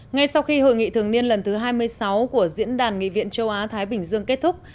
ngay sau khi hội nghị thường niên lần thứ hai mươi sáu của diễn đàn nghị viện châu á thái bình dương kết thúc